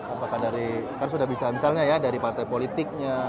apakah dari kan sudah bisa misalnya ya dari partai politiknya